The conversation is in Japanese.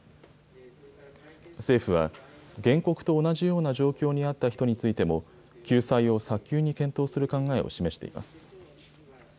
政府は、原告と同じような状況にあった人についても、救済を早急に検討する考えを示しています。